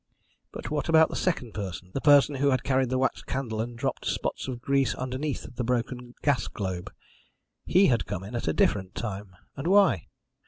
But what about the second person the person who had carried the wax candle and dropped spots of grease underneath the broken gas globe? Had he come in at a different time, and why?